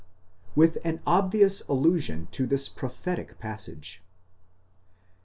5) with an obvious allusion to this pro phetic passage.